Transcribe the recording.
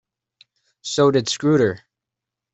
So did Scudder.